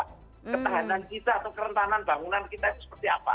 ketahanan kita atau kerentanan bangunan kita itu seperti apa